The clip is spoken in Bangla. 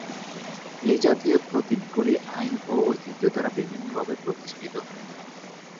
এই জাতীয় প্রতীকগুলি আইন ও ঐতিহ্য দ্বারা বিভিন্নভাবে প্রতিষ্ঠিত।